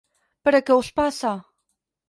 Però què us passa?